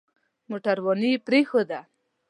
موټرواني يې پرېښوده.